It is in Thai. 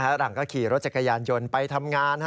หลังก็ขี่รถจักรยานยนต์ไปทำงาน